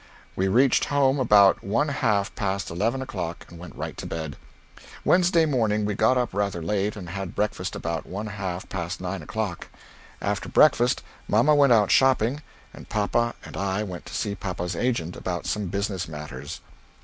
We reached home about 1/2 past eleven o'clock and went right to bed. Wednesday morning we got up rather late and had breakfast about 1/2 past nine o'clock. After breakfast mamma went out shopping and papa and I went to see papa's agent about some business matters.